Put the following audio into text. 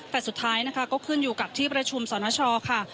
แต่สุดท้ายนะคะก็ขึ้นอยู่กับที่ประชุมสรณชอค่ะ